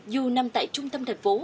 dù nằm tại trung tâm thành phố